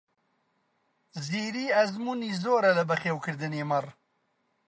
زیری ئەزموونی زۆرە لە بەخێوکردنی مەڕ.